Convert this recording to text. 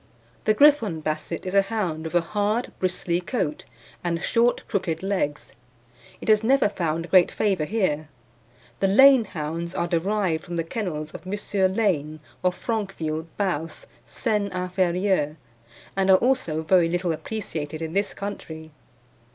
The Griffon Basset is a hound with a hard bristly coat, and short, crooked legs. It has never found great favour here. The Lane hounds are derived from the kennels of M. Lane, of Franqueville, Baos, Seine Inferieure, and are also very little appreciated in this country.